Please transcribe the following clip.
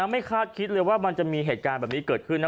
ไม่คาดคิดเลยว่ามันจะมีเหตุการณ์แบบนี้เกิดขึ้นนะ